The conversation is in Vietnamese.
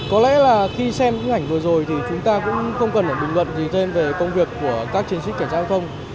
có lẽ là khi xem những ảnh vừa rồi thì chúng ta cũng không cần phải bình luận gì thêm về công việc của các chiến sĩ cảnh sát giao thông